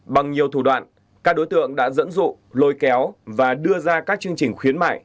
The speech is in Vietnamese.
bằng nhiều thủ đoạn các đối tượng đã dẫn dụ lôi kéo và đưa ra các chương trình khuyến mại